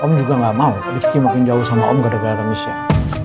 om juga enggak mau rifki makin jauh sama om gara gara michelle